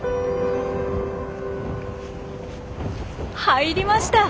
入りました！